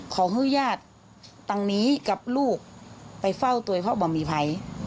ขอฮือญาติตังนี้กับลูกไปเฝ้าตัวเพราะบำหมีไภ